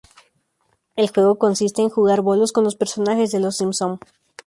El juego consiste en jugar bolos con los personajes de Los Simpson.